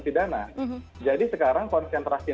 pidana jadi sekarang konsentrasi